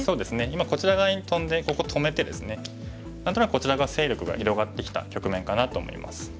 今こちら側にトンでここ止めてですね何となくこちらが勢力が広がってきた局面かなと思います。